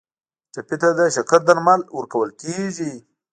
ټپي ته د شکر درمل ورکول کیږي.